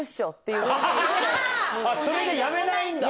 それでやめないんだ？